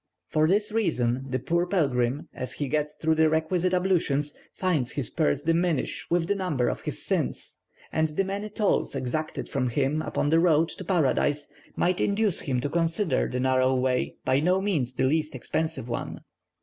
For this reason, the poor pilgrim, as he gets through the requisite ablutions, finds his purse diminish with the number of his sins, and the many tolls exacted from him upon the road to paradise might induce him to consider the narrow way by no means the least expensive one.